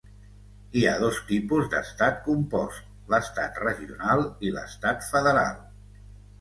Hi ha dos tipus d'estat compost: l'estat regional i l'estat federal.